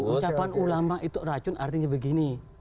ucapan ulama itu racun artinya begini